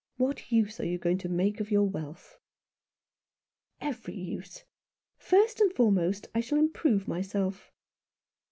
What use are you going to make of your wealth ?"" Every use. First and foremost I shall improve myself."